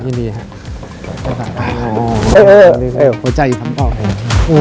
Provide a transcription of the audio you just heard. ยินดีครับยินดีครับใจของผม